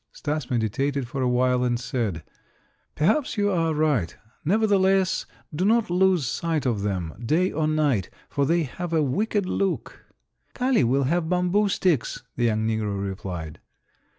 Stas meditated for a while and said: "Perhaps you are right; nevertheless, do not lose sight of them, day or night, for they have a wicked look." "Kali will have bamboo sticks," the young negro replied.